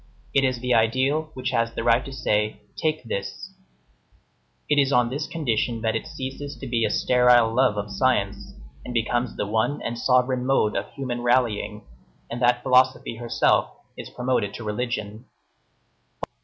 It is the ideal which has the right to say: Take, this is my body, this is my blood. Wisdom is holy communion. It is on this condition that it ceases to be a sterile love of science and becomes the one and sovereign mode of human rallying, and that philosophy herself is promoted to religion.